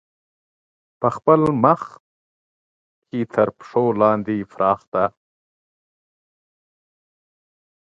په خپل مخ کې تر پښو لاندې پراته ګوري.